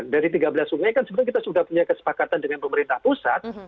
dari tiga belas sungai kan sebenarnya kita sudah punya kesepakatan dengan pemerintah pusat